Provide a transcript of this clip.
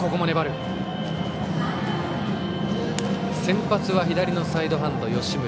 先発は左のサイドハンド、吉村。